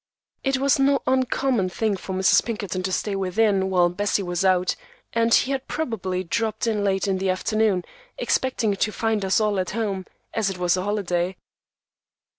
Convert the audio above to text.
It was no uncommon thing for Mrs. Pinkerton to stay within while Bessie was out, and he had probably dropped in late in the afternoon, expecting to find us all at home, as it was a holiday.